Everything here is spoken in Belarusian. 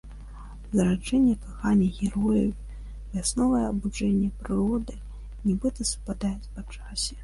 Зараджэнне кахання герояў і вясновае абуджэнне прыроды нібыта супадаюць па часе.